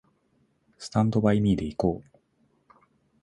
スタンドバイミーで行こう